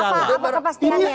bahwa alanya adalah